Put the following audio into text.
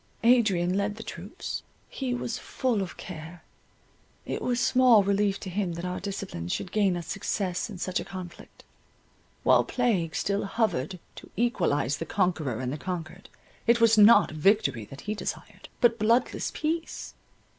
Adrian led the troops. He was full of care. It was small relief to him that our discipline should gain us success in such a conflict; while plague still hovered to equalize the conqueror and the conquered, it was not victory that he desired, but bloodless peace.